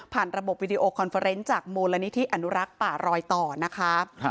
ระบบวิดีโอคอนเฟอร์เนนต์จากมูลนิธิอนุรักษ์ป่ารอยต่อนะคะ